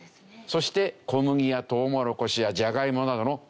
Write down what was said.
そして小麦やトウモロコシやジャガイモなどの農業も盛ん。